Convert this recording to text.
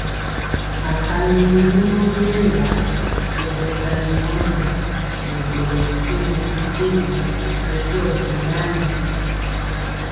Akali nyɛmemɔ yeya rikolo bɛsali ŋgomnaŋ nɛ boro mepempɔ mɛmpegi bɛndiɔ tomali.